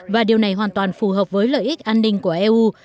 và điều này hoàn toàn phù hợp với lợi ích an ninh của eu